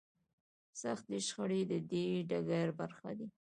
سختې شخړې د دې ډګر برخه دي.